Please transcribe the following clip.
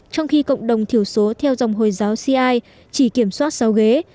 trong khi cộng đồng thiểu số theo dòng hồi giáo ci chỉ kiểm soát sáu ghế